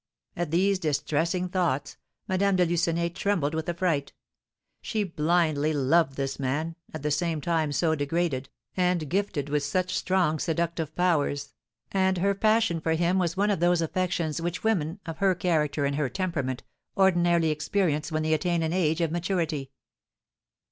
At these distressing thoughts, Madame de Lucenay trembled with affright. She blindly loved this man, at the same time so degraded, and gifted with such strong seductive powers; and her passion for him was one of those affections which women, of her character and her temperament, ordinarily experience when they attain an age of maturity.